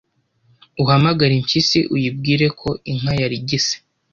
uhamagare impyisi uyibwire ko inka yarigise